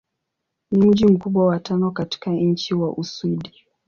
Ni mji mkubwa wa tano katika nchi wa Uswidi.